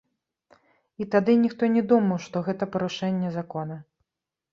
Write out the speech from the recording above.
І тады ніхто не думаў, што гэта парушэнне закона.